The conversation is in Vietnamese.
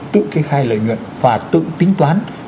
tự kê khai lợi nhuận và tự tính toán